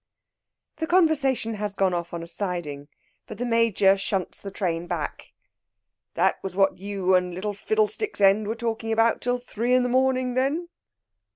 The conversation has gone off on a siding, but the Major shunts the train back. "That was what you and little fiddle stick's end were talking about till three in the morning, then?"